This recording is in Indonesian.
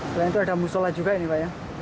selain itu ada musola juga ini pak ya